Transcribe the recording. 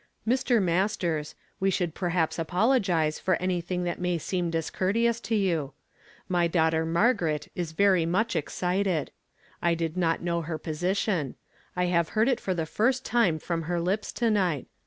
"Mr. Masters, we should perhaps apologize for anjtliing that may seem discourteous to you. My daughter Margitvet; i.s very much excited. I did not know liiT position ; I jiave heard it for the first time fium her lips to nigi,^t.